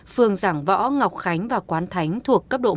phường giảng võ ngọc khánh và quận đình